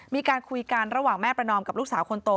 มีการคุยกันระหว่างแม่ประนอมกับลูกสาวคนโต